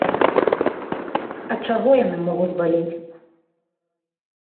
Ад чаго яны могуць балець?